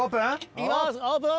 いきますオープン！